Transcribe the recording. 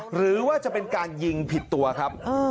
หรือว่าจะเป็นการยิงผิดตัวครับ